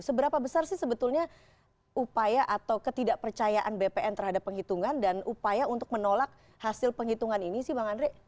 seberapa besar sih sebetulnya upaya atau ketidakpercayaan bpn terhadap penghitungan dan upaya untuk menolak hasil penghitungan ini sih bang andre